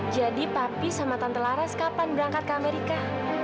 jadi papi sama tante laras kapan berangkat ke amerika